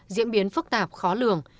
diễn biến phức tạp khó lường